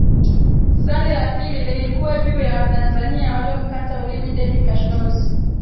Swali la pili lilikuwa juu ya watanzania waliomkata ulimi Debby Kashozi